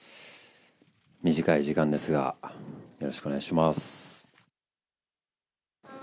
短い時間ですが、よろしくお願いします。